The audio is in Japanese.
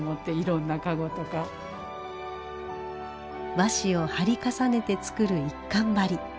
和紙を貼り重ねて作る一閑張。